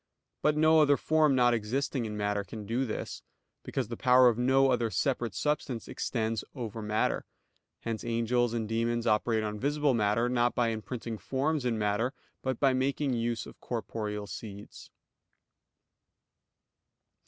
But no other form not existing in matter can do this; because the power of no other separate substance extends over matter. Hence angels and demons operate on visible matter; not by imprinting forms in matter, but by making use of corporeal seeds.